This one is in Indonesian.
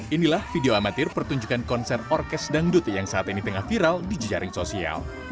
inilah video amatir pertunjukan konser orkes dangdut yang saat ini tengah viral di jejaring sosial